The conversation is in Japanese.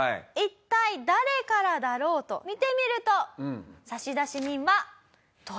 一体誰からだろうと見てみると差出人は。